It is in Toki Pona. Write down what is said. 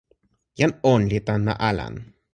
jan On li tan ma Alan.